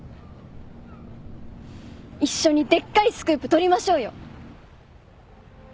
一緒にでっかいスクープ取りましょうよ！